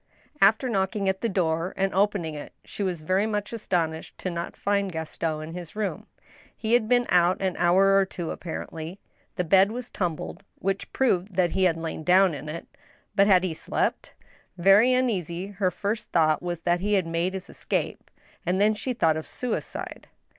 After knocking at the door and opening it, she was very. much astonished not to find Gaston in his room. He had been out an hour or two, apparently. The bed was tumbled, which proved that he had lain down in it. But had he slept ? Very uneasy, her first thought was that he had made his escape, and then she thought ot' suicide.